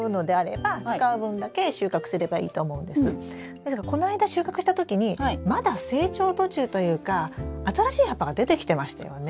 ですがこの間収穫した時にまだ成長途中というか新しい葉っぱが出てきてましたよね？